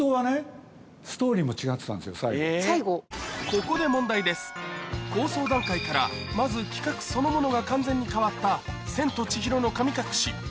ここで構想段階からまず企画そのものが完全に変わった『千と千尋の神隠し』